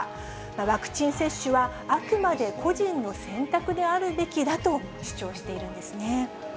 ワクチン接種はあくまで個人の選択であるべきだと主張しているんですね。